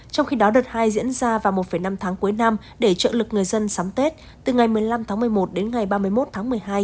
trong khi đó đợt hai diễn ra vào một năm tháng cuối năm để trợ lực người dân sắm tết từ ngày một mươi năm tháng một mươi một đến ngày ba mươi một tháng một mươi hai